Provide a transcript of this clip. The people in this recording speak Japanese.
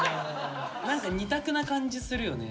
何か２択な感じするよね。